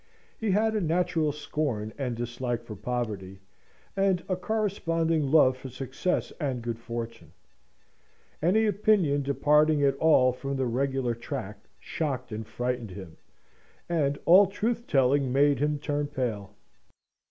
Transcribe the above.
He had a natural scorn and dislike for poverty, and a corresponding love for success and good fortune. Any opinion departing at all from the regular track shocked and frightened him, and all truth telling made him turn pale.